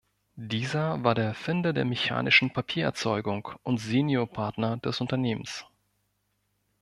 Dieser war der Erfinder der mechanischen Papiererzeugung und Seniorpartner des Unternehmens.